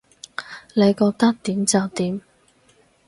你覺得點就點